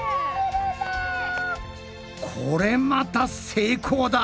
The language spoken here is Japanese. これまた成功だ！